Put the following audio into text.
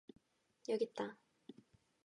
여깄다!